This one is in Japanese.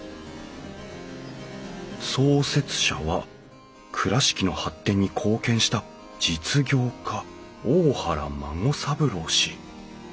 創設者は倉敷の発展に貢献した実業家大原孫三郎氏」